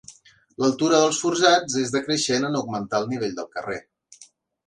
L'altura dels forjats és decreixent en augmentar el nivell del carrer.